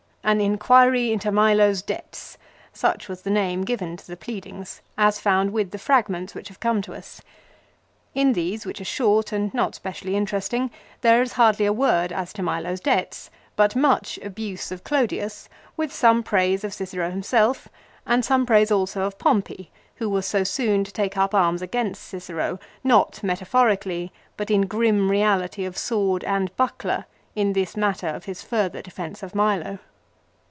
"An in quiry into Milo's debts !" Such was the name given to the pleadings as found with the fragments which have come to us. 1 In these, which are short and not specially interesting, there is hardly a word as to Milo's debts ; but much abuse of Clodius, with some praise of Cicero himself, and some praise also of Pompey who was so soon to take up arms against Cicero, not metaphorically, but in grim reality of sword and buckler, in this matter of his further defence of Milo.